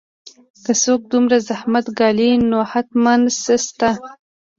که څوک دومره زحمت ګالي نو حتماً څه شته